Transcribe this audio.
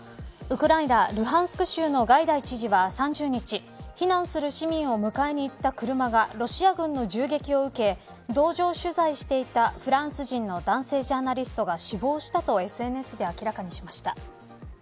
ウクライナルハンスク州のガイダイ知事は３０日避難する市民を迎えにいった車がロシア軍の銃撃を受け同乗取材していたフランス人の男性ジャーナリストが死亡したとＳＮＳで明らかにしました。